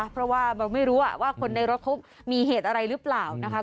เพราะว่าเราไม่รู้ว่าคนในรถเขามีเหตุอะไรหรือเปล่านะคะ